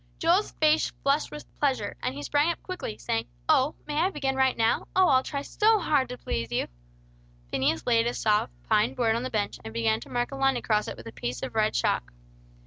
Joel's face flushed with pleasure, and he sprang up quickly, saying, "May I begin right now? Oh, I'll try so hard to please you!" Phineas laid a soft pine board on the bench, and began to mark a line across it with a piece of red chalk.